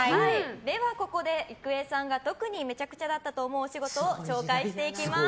では、ここで郁恵さんが特にめちゃくちゃだったと思うお仕事を紹介していきます。